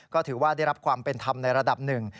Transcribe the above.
ก็ถือว่าได้รับความเป็นธรรมในระดับหนึ่ง